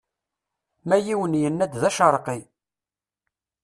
Ma yiwen yenna-d d acerqi.